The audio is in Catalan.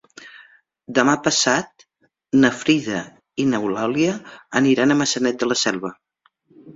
Demà passat na Frida i n'Eulàlia aniran a Maçanet de la Selva.